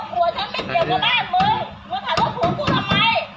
รถหัวฉันไม่เกี่ยวกับบ้านมึง